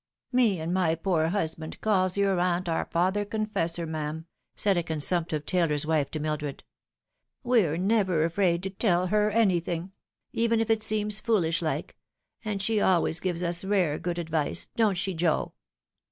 " Me and my poor husband calls your aunt our father con fessor, ma'am," said a consumptive tailor's wife to Mildred. " We're never afraid to tell her anything even if it seems foolish like and she always give us rare good advice don't she, Joe